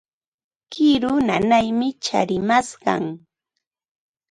Kiru nanaymi tsarimashqan.